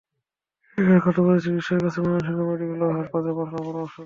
সেখানে কর্তব্যরত চিকিৎসক তাঁকে ময়মনসিংহ মেডিকেল কলেজ হাসপাতালে পাঠানোর পরামর্শ দেন।